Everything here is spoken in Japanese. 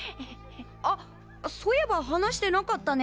あっそういえば話してなかったね。